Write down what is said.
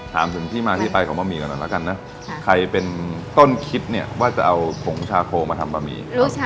ถามถึงที่มาที่ไปของบะหมี่กันหน่อยแล้วกันนะใครเป็นต้นคิดเนี่ยว่าจะเอาผงชาโคมาทำบะหมี่